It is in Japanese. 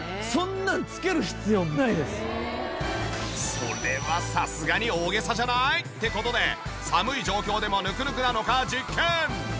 それはさすがに大げさじゃない？って事で寒い状況でもぬくぬくなのか実験！